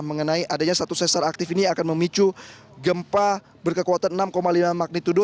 mengenai adanya satu sesar aktif ini akan memicu gempa berkekuatan enam lima magnitudo